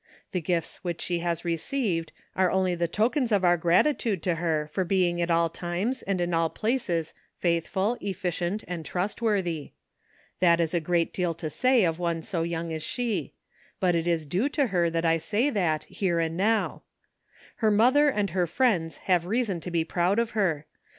The gifts which she has received are only the tokens of our 328 ''LUCK." gratitude to her for being at all times and in all places faithful, efficient and trustworthy. That is a great deal to say of one so young as she ; but it is. due to her that I say it, here and now. Her mother and her friends have reason to be proud of her.